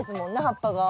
葉っぱが。